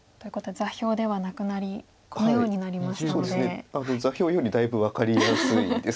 座標よりだいぶ分かりやすいです。